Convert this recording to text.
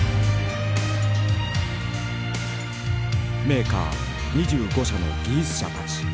メーカー２５社の技術者たち。